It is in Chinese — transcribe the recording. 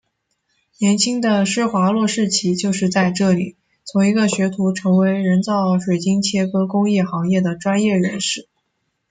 年轻的施华洛世奇就是在这里从一个学徒成为人造水晶切割工艺行业的专业人士。